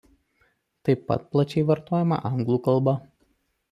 Taip pat plačiai vartojama anglų kalba.